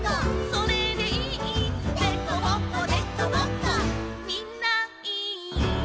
「それでいい」「でこぼこでこぼこ」「みんないい」